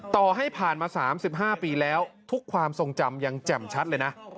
ต่อให้ผ่านมา๓๕ปีแล้วทุกความทรงจำยังแจ่มชัดเลยนะ